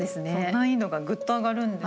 難易度がグッと上がるんですね。